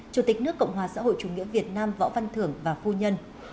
chủ tịch nước cộng hòa xã hội chủ nghĩa việt nam võ văn thưởng và phu nhân